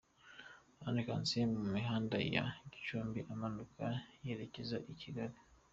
Anne Kansiime mu mihanda ya Gicumbi amanuka yerekeza i Kigali.